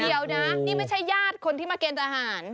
เดี๋ยวนะนี่ไม่ใช่ญาติคนที่มาเกณฑ์ทหาร